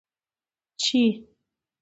چې: